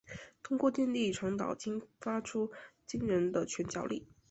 透过电力传导引发出惊人的拳脚力。